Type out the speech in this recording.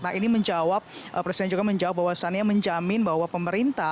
nah ini menjawab presiden juga menjawab bahwasannya menjamin bahwa pemerintah